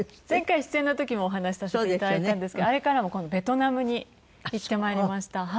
前回出演の時もお話しさせて頂いたんですけどあれからも今度ベトナムに行ってまいりました。